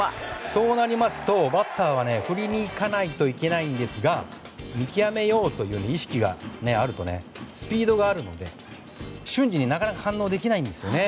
そうなりますとバッターは振りにいかないといけないんですが見極めようという意識があるとスピードがあるので、瞬時になかなか反応できないんです。